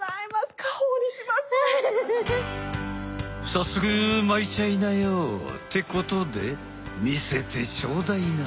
早速巻いちゃいなよってことで見せてちょうだいな。